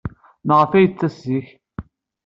Maɣef ay d-yettas zik?